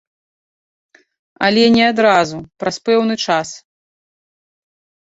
Але не адразу, праз пэўны час.